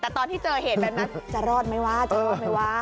แต่ตอนที่เจอเหตุแบบนั้นจะรอดไหมว่าจะรอดไหมว่า